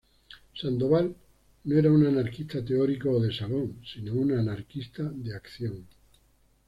Sandoval no era un anarquista teórico o de salón, sino un anarquista de acción.